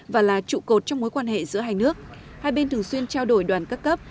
và là trụ cột trong mối quan hệ giữa hai nước hai bên thường xuyên trao đổi đoàn các cấp